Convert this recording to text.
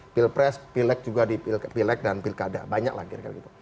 pilpres pilek juga di pilek dan pilkada banyak lagi